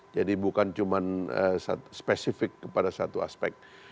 jadi bukan cuma spesifik kepada satu aspek